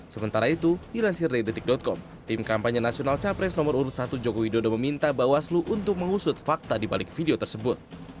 sementara itu dilansir dari detik com tim kampanye nasional capres nomor urut satu jokowi dodo meminta bawaslu untuk mengusut fakta dibalik video tersebut